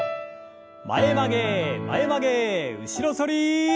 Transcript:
前曲げ前曲げ後ろ反り。